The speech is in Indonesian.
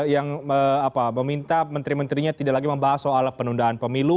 yang meminta menteri menterinya tidak lagi membahas soal penundaan pemilu